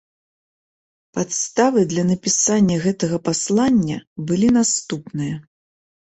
Падставы для напісання гэтага паслання былі наступныя.